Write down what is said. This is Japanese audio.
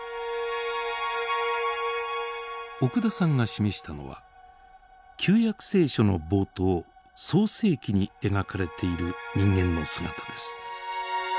奥田さんが示したのは旧約聖書の冒頭「創世記」に描かれている人間の姿です。